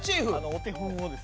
お手本をですね。